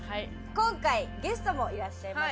今回ゲストもいらっしゃいます。